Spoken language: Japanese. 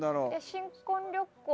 新婚旅行。